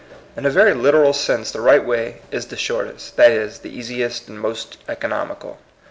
In a very literal sense the right way is the short est, that is, the easiest and most economical.